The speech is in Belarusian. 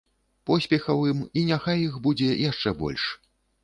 Поспехаў ім і няхай іх будзе яшчэ больш.